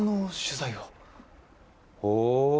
ほう。